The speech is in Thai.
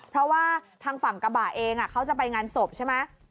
เพราะว่าทางฝั่งกระบะเองเขาจะไปงานศพใช่ไหม